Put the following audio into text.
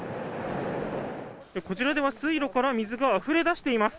こちらでは水路から水があふれ出しています。